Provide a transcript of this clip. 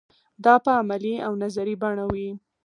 دا په عملي او نظري بڼه وي.